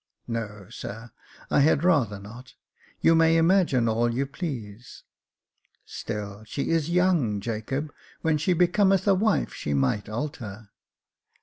" No, sir, I had rather not. You may imagine all you please." " Still she is young, Jacob ; when she becometh a wife she might alter."